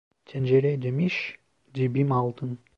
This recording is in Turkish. Tencere demiş, dibim altın.